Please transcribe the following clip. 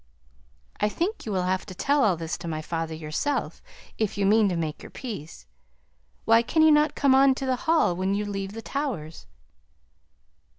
"I think you will have to tell all this to my father yourself if you mean to make your peace. Why can you not come on to the Hall when you leave the Towers?"